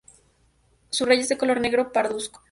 Su raya es de color negro parduzco.